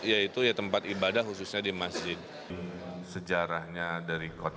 yaitu tempat ibadah khususnya di masjid